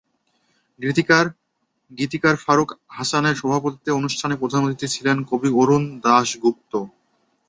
গীতিকার ফারুক হাসানের সভাপতিত্বে অনুষ্ঠানে প্রধান অতিথি ছিলেন কবি অরুণ দাশ গুপ্ত।